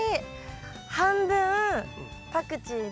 半分パクチーで。